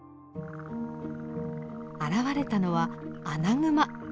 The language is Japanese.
現れたのはアナグマ。